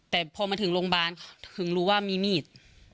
แต่พอมาถึงโรงพยาบาลถึงรู้ว่ามีมีด